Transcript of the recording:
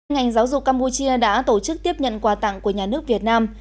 ngành giáo dục campuchia đã tổ chức tiếp nhận quà tặng của nhà nước việt nam